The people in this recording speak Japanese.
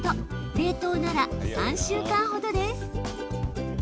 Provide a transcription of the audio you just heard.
冷凍なら３週間ほどです。